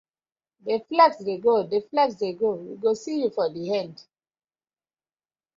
Dey flex dey go, dey flex dey go, we go see yu for di end.